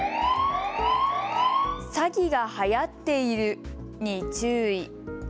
詐欺がはやっているに注意。